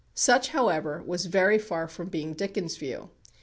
Such, however, was very far from being Dickens' view.